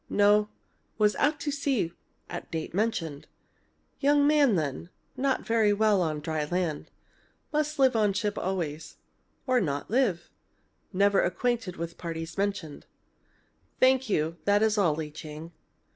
"No. Was at sea at date mentioned. Young man then not very well on dry land. Must live on ship always or not live. Never was acquainted with parties mentioned." "Thank you. That is all, Lee Ching."